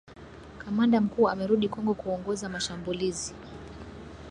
Kamanda mkuu amerudi Kongo kuongoza mashambulizi